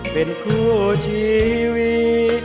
เป็นคู่ชีวิต